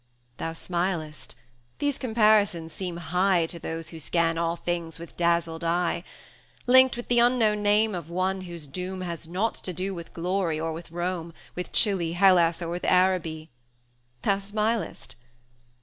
IX. Thou smilest: these comparisons seem high To those who scan all things with dazzled eye; Linked with the unknown name of one whose doom Has nought to do with glory or with Rome, With Chili, Hellas, or with Araby; 200 Thou smilest?